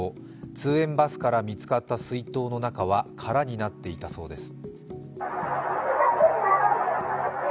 通園バスから見つかった水筒の中は空になっていたそうです。